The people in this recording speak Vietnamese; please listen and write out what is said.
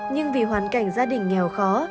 nhưng vì hoàn cảnh gia đình nghèo khó